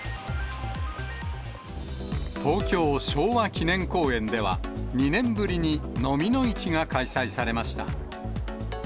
東京・昭和記念公園では、２年ぶりに、のみの市が開催されました。